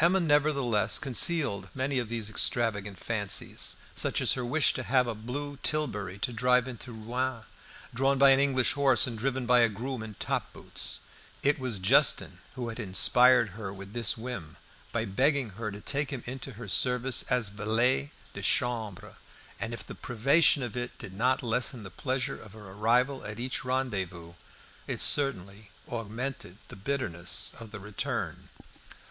Emma nevertheless concealed many of these extravagant fancies, such as her wish to have a blue tilbury to drive into Rouen, drawn by an English horse and driven by a groom in top boots. It was Justin who had inspired her with this whim, by begging her to take him into her service as valet de chambre, and if the privation of it did not lessen the pleasure of her arrival at each rendezvous, it certainly augmented the bitterness of the return. Manservant.